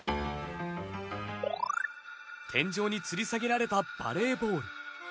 天井につり下げられたバレーボール。